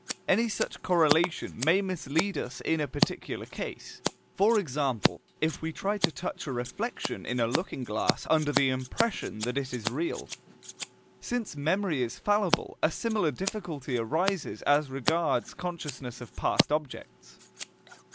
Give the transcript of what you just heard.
Any such correlation may mislead us in a particular case, for example, if we try to touch a reflection in a looking glass under the impression that it is "real." Since memory is fallible, a similar difficulty arises as regards consciousness of past objects.